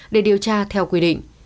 để điều tra theo quy định